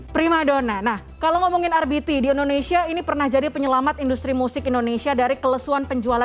prima donna nah kalau ngomongin rbt di indonesia ini pernah jadi penyelamat industri musik indonesia dari kelesuan penjualan